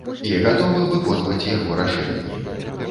І гатовы выконваць яго рашэнні.